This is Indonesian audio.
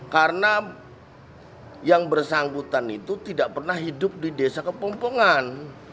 karena yang bersangkutan itu tidak pernah hidup di desa kepompongan